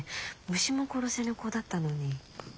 虫も殺せぬ子だったのに。